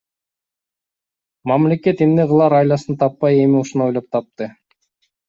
Мамлекет эмне кылаар айласын таппай, эми ушуну ойлоп тапты.